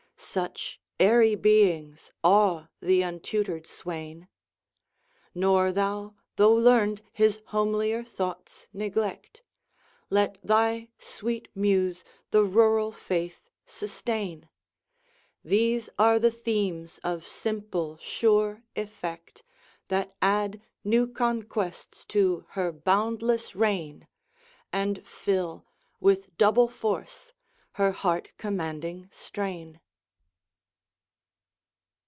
Such airy beings awe th' untutored swain: Nor thou, though learn'd, his homelier thoughts neglect; Let thy sweet Muse the rural faith sustain: These are the themes of simple, sure effect, That add new conquests to her boundless reign, And fill, with double force, her heart commanding strain.